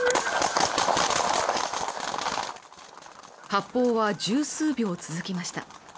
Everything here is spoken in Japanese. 発砲は十数秒続きました